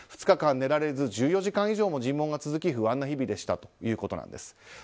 ２日間寝られず１４時間以上も尋問が続き不安な日々でしたということなんです。